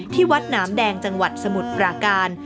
ที่วัดหนามแดงจังหวัดสมุทรปราการ